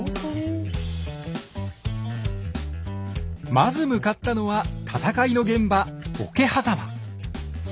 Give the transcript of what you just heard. まず向かったのは戦いの現場桶狭間。